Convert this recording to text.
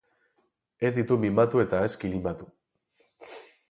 Ez ditu mimatu eta ez kilimatu.